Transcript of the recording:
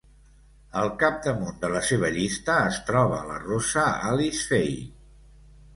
Al capdamunt de la seva llista es troba la rossa Alice Faye.